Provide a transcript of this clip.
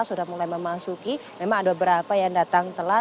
sudah mulai memasuki memang ada beberapa yang datang telat